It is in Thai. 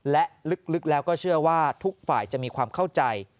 และลึกแล้วก็เชื่อว่าทุกฝ่ายจะมีความเข้าใจ